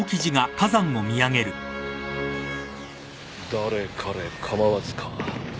誰彼構わずか。